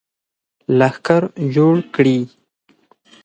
لښکر جوړ کړي.